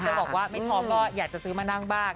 จะบอกว่าไม่ท้องก็อยากจะซื้อมานั่งบ้าง